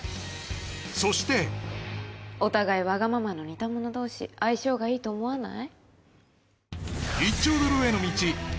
そしてお互いワガママの似た者同士相性がいいと思わない？